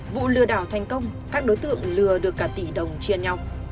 vụ lừa đảo thành công các đối tượng lừa được cả tỷ đồng chia nhau